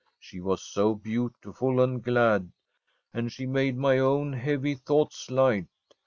She was so beautiful and glad, and she made my own heavy thoughts light.